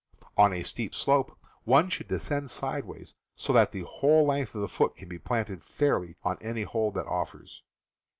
On a steep slope one should descend sideways, so that the whole length of the foot can be planted fairly on any hold that offers.